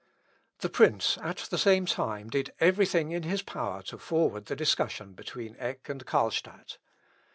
The prince at the same time did every thing in his power to forward the discussion between Eck and Carlstadt.